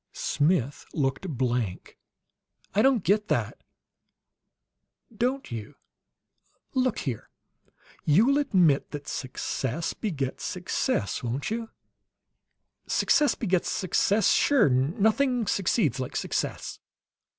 Smith looked blank. "I don't get that." "Don't you? Look here: you'll admit that success begets success, won't you?" "Success begets success? Sure! 'Nothing succeeds like success.'"